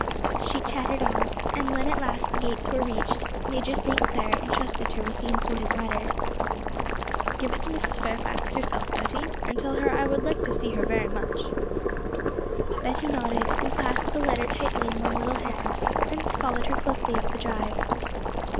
She chattered on, and when at last the gates were reached, Major St. Clair entrusted her with the important letter. 'Give it to Mrs. Fairfax yourself, Betty, and tell her I would like to see her very much.' Betty nodded, and clasped the letter tightly in one little hand, Prince followed her closely up the drive.